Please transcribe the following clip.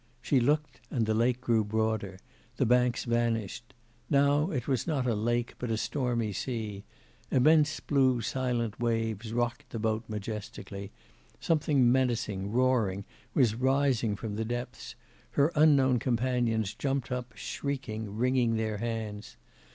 She looked and the lake grew broader, the banks vanished now it was not a lake but a stormy sea: immense blue silent waves rocked the boat majestically; something menacing, roaring was rising from the depths; her unknown companions jumped up, shrieking, wringing their hands...